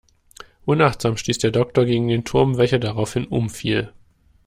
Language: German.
Unachtsam stieß der Doktor gegen den Turm, welcher daraufhin umfiel.